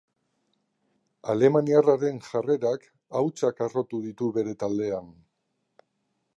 Alemaniarraren jarrerak hautsak arrotu ditu bere taldean.